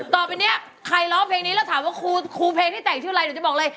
ต่อไปเนี่ยใครร้องเพลงนี้แล้วถามว่าครูเพลงที่แต่งชื่ออะไรหนูจะบอกเลย